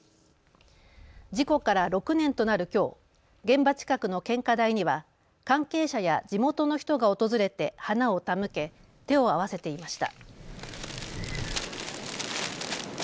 事故から６年となるきょう、現場近くの献花台には関係者や地元の人が訪れて花を手向け手を合わせていました。